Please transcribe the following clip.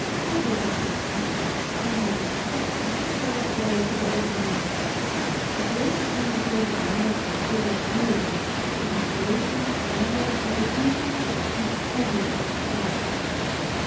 "Play this off," he said. "I had it fixed up, as soon as I got wise to what was going to happen. The voice is one of the girls in my office, over at the brewery. Pronunciation, grammar, elocution and everything correct."